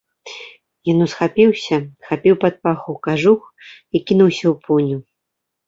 Ён усхапіўся, хапіў пад паху кажух і кінуўся ў пуню.